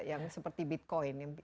yang seperti bitcoin